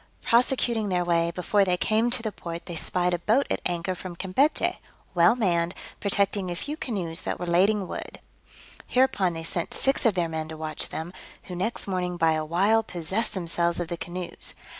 Prosecuting their way, before they came to the port they spied a boat at anchor from Campechy, well manned, protecting a few canoes that were lading wood: hereupon they sent six of their men to watch them, who next morning, by a wile, possessed themselves of the canoes.